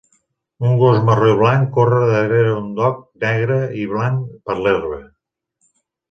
un gos marró i blanc corre darrere un dog negre i blanc per l'herba